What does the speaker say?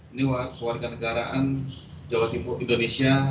ini warga negaraan jawa timur indonesia